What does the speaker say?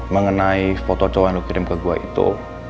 mengenai foto cowok yang lu kirim ke gue itu